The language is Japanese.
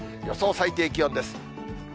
予想最低気温です。